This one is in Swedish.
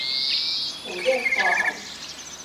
Men det ska han.